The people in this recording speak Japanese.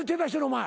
お前。